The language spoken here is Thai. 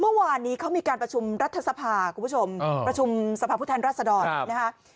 เมื่อวานนี้เขามีการประชุมรัฐสภาคุณผู้ชมประชุมสภาพผู้แทนรัศดรนะคะ